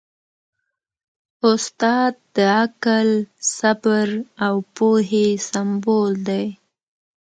استاد د عقل، صبر او پوهې سمبول دی.